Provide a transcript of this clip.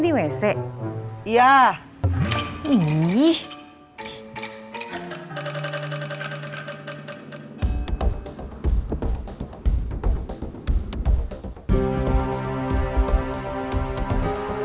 ditanya nggak jawab